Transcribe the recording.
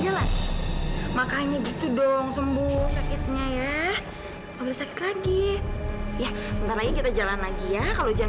iya tadi taufan sudah sadar tapi sekarang taufan